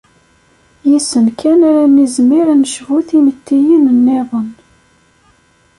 Yis-sen kan ara nizmir ad necbu timettiyin-nniḍen.